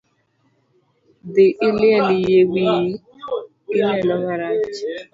Dhii iliel yie wiyi , gi neno marach.